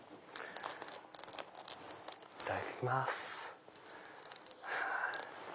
いただきます。